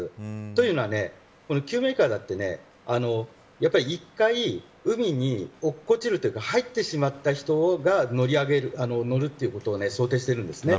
というのは救命いかだというのは１回、海に落っこちるというか入ってしまった人が乗るということを想定しているんです。